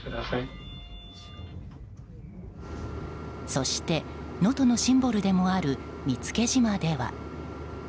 そして能登のシンボルでもある見附島では。